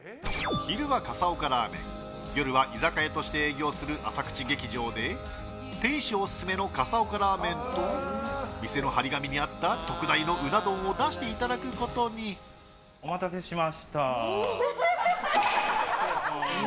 昼は笠岡ラーメン夜は居酒屋として営業する浅口劇場で店主オススメの笠岡ラーメンと店の貼り紙にあった特大のうな丼をお待たせしました。